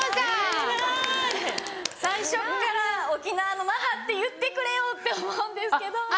・最初っから沖縄の那覇って言ってくれよって思うんですけど。